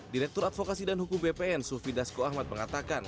direktur advokasi dan hukum bpn sufidas koahmat mengatakan